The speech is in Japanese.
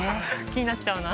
気になっちゃうな。